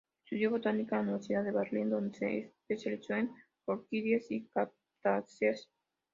Estudió botánica en la Universidad de Berlín, donde se especializó en orquídeas y cactáceas.